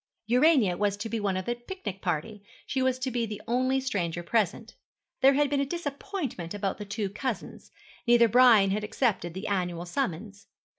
Urania was to be one of the picnic party. She was to be the only stranger present. There had been a disappointment about the two cousins. Neither Brian had accepted the annual summons.